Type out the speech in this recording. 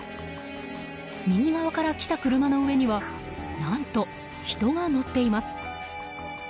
右側から来た車の上には何と、人が乗っています。